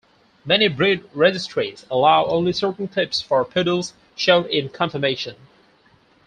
Many breed registries allow only certain clips for poodles shown in conformation.